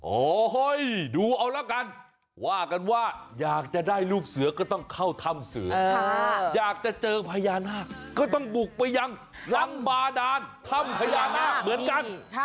โอ้โหดูเอาละกันว่ากันว่าอยากจะได้ลูกเสือก็ต้องเข้าถ้ำเสืออยากจะเจอพญานาคก็ต้องบุกไปยังรังบาดานถ้ำพญานาคเหมือนกัน